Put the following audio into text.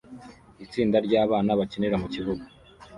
Itsinda ryabana bakinira mukibuga